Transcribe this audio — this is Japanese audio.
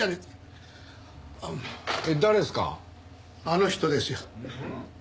あの人ですよ。